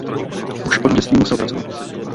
Už od dětství musel pracovat.